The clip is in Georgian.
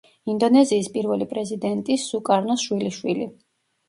ინდონეზიის პირველი პრეზიდენტის სუკარნოს შვილიშვილი.